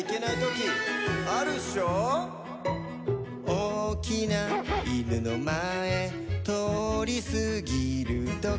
「おおきないぬのまえとおりすぎるとき」